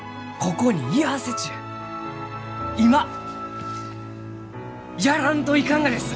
今やらんといかんがです！